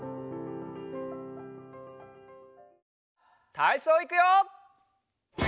たいそういくよ！